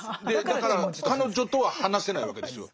だから彼女とは話せないわけですよ。